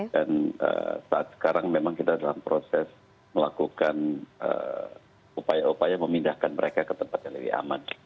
dan saat sekarang memang kita dalam proses melakukan upaya upaya memindahkan mereka ke tempat yang lain